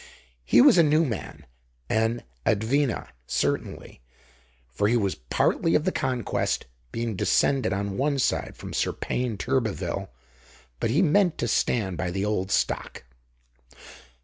He was a new man, an advena, certainly; for he was partly of the Conquest, being descended on one side from Sir Payne Turberville; but he meant to stand by the old stock.